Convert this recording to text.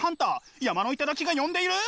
山の頂が呼んでいる！